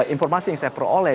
informasi yang saya peroleh